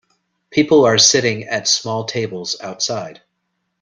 People are sitting at small tables outside.